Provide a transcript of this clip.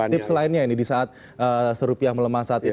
tips lainnya ini di saat serupiah melemah saat ini